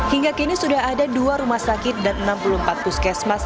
hingga kini sudah ada dua rumah sakit dan enam puluh empat puskesmas